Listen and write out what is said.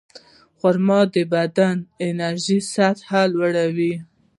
خرما د بدن د انرژۍ سطحه لوړوي.